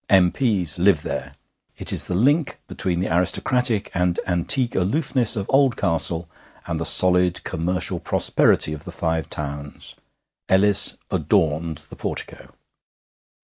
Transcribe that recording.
M.P.'s live there. It is the link between the aristocratic and antique aloofness of Oldcastle and the solid commercial prosperity of the Five Towns. Ellis adorned the portico.